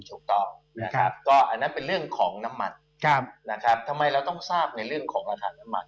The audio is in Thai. ถูกต้องนะครับก็อันนั้นเป็นเรื่องของน้ำมันนะครับทำไมเราต้องทราบในเรื่องของราคาน้ำมัน